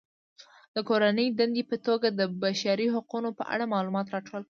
د کورنۍ دندې په توګه د بشري حقونو په اړه معلومات راټول کړئ.